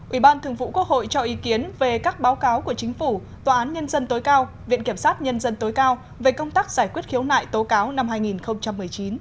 ủy ban thường vụ quốc hội cho ý kiến về các báo cáo của chính phủ tòa án nhân dân tối cao viện kiểm sát nhân dân tối cao về công tác giải quyết khiếu nại tố cáo năm hai nghìn một mươi chín